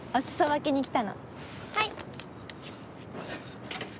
はい。